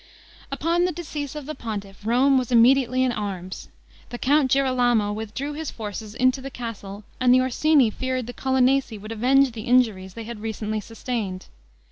Upon the decease of the pontiff, Rome was immediately in arms. The Count Girolamo withdrew his forces into the castle; and the Orsini feared the Colonnesi would avenge the injuries they had recently sustained.